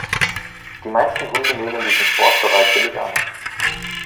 Die meisten Hunde nehmen diesen Sport bereitwillig an.